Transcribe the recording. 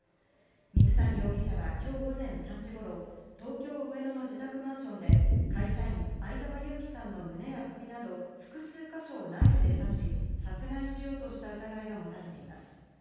水谷容疑者は今日午前３時ごろ東京・上野の自宅マンションで会社員・相沢勇樹さんの胸や首など複数箇所をナイフで刺し殺害しようとした疑いが持たれています。